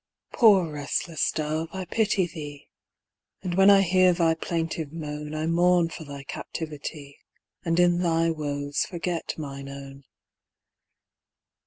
Poor restless dove, I pity thee; And when I hear thy plaintive moan, I mourn for thy captivity, And in thy woes forget mine own.